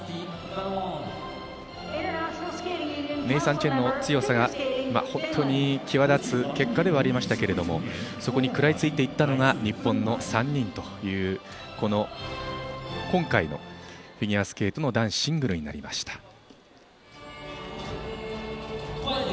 ネイサン・チェンの強さが本当に際立つ結果ではありましたけどそこに食らいついていったのが日本の３人という今回のフィギュアスケートの男子シングルになりました。